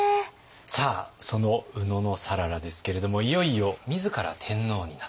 さあその野讃良ですけれどもいよいよ自ら天皇になった。